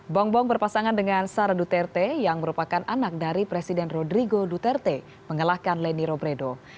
bongbong berpasangan dengan sarah duterte yang merupakan anak dari presiden rodrigo duterte mengalahkan leni robredo